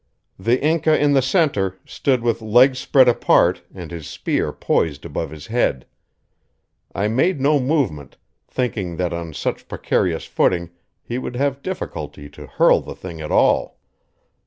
The Inca in the center stood with legs spread apart and his spear poised above his head; I made no movement, thinking that on such precarious footing he would have difficulty to hurl the thing at all.